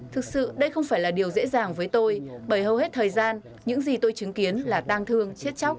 thực sự đây không phải là điều dễ dàng với tôi bởi hầu hết thời gian những gì tôi chứng kiến là tăng thương